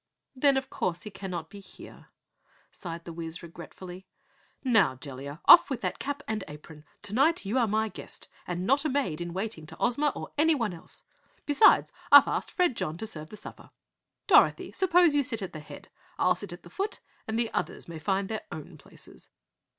"Then of course he cannot be here?" sighed the Wizard regretfully. "Now Jellia, off with that cap and apron. Tonight you are my guest and not a maid in waiting to Ozma or anyone else. Besides, I've asked Fredjon to serve the supper. Dorothy, suppose you sit at the head. I'll sit at the foot and the others may find their own places."